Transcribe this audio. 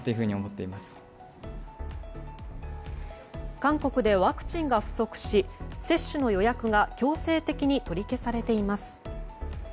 韓国でワクチンが不足し接種の予約が強制的に取り消されています。